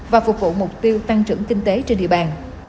và phục vụ mục tiêu tăng trưởng kinh tế trên địa bàn